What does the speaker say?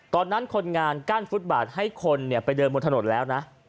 คนงานกั้นฟุตบาทให้คนไปเดินบนถนนแล้วนะ